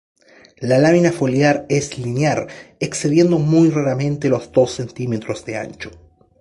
La lámina foliar es linear, excediendo muy raramente los dos centímetros de ancho.